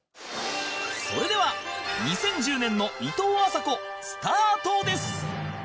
それでは２０１０年のいとうあさこスタートです